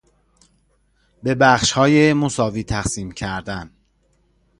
به بخشهای مساوی تقسیم کردن